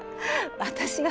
私が？